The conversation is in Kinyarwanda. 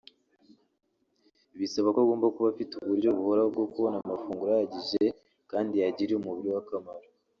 bisaba ko agomba kuba afite uburyo buhoraho bwo kubona amafunguro ahagije kandi yagirira umubiri we akamaro